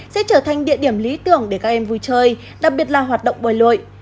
sẽ trở thành địa điểm lý tưởng để các em vui chơi đặc biệt là hoạt động bơi lội